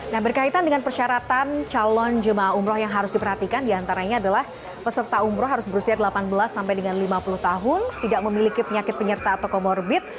nah berkaitan dengan persyaratan calon jemaah umroh yang harus diperhatikan diantaranya adalah peserta umroh harus berusia delapan belas sampai dengan lima puluh tahun tidak memiliki penyakit penyerta atau comorbid